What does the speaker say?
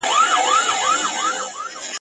يو ځای کېدو ته ځي